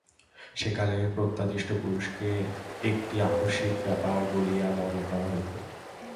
সে-কালে প্রত্যাদিষ্ট পুরুষকে একটি আকস্মিক ব্যাপার বলিয়া মনে করা হইত।